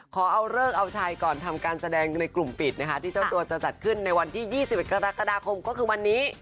ขอเอาเลิกเอาชัยก่อนทำการแสดงในกลุ่มปิดนะคะที่เจ้าตัวจะจัดขึ้นในวันที่๒๑กรกฎาคมก็คือวันนี้